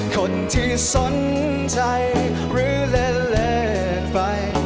คนที่สนใจหรือเล่นเลิศไป